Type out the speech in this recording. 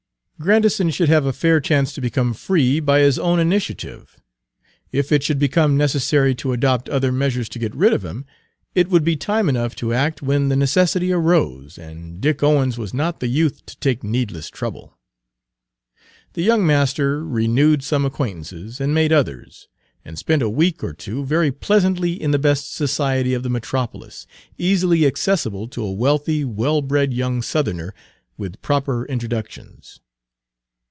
Grandison should have a fair chance to become free by his own initiative; if it should become necessary to Page 184 adopt other measures to get rid of him, it would be time enough to act when the necessity arose; and Dick Owens was not the youth to take needless trouble. The young master renewed some acquaintances and made others, and spent a week or two very pleasantly in the best society of the metropolis, easily accessible to a wealthy, well bred young Southerner, with proper introductions.